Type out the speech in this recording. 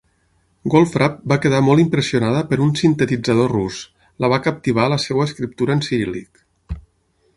Goldfrapp va quedar molt impressionada per un sintetitzador rus, la va captivar la seva escriptura en ciríl·lic.